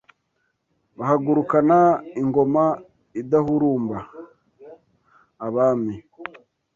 Bahagurukana ingoma idahurumba Abami